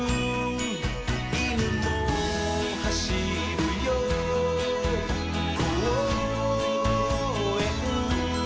「いぬもはしるよこうえん」